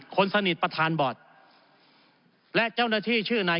คนสนิทประธานบอร์ดและเจ้าหน้าที่ชื่อนาย